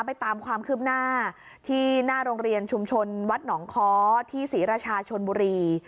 ไปตามความคืบหน้าที่หน้าโรงเรียนชุมชนวัดหนองค้อที่ศรีราชาชนบุรี